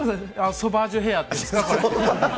ソバージュヘアっていうんですか。